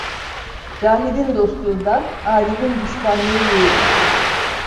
Cahilin dostluğundan alimin düşmanlığı yeğdir.